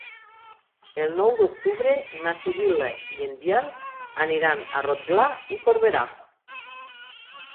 El nou d'octubre na Sibil·la i en Biel aniran a Rotglà i Corberà.